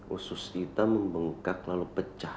usus kita membengkak lalu pecah